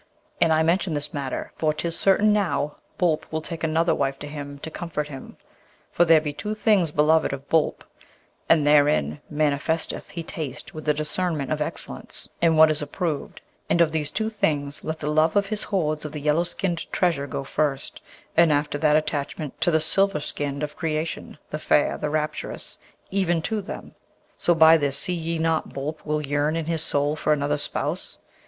And I mention this matter, for 'tis certain now Boolp will take another wife to him to comfort him, for there be two things beloved of Boolp, and therein manifesteth he taste and the discernment of excellence, and what is approved; and of these two things let the love of his hoards of the yellow skinned treasure go first, and after that attachment to the silver skinned of creation, the fair, the rapturous; even to them! So by this see ye not Boolp will yearn in his soul for another spouse?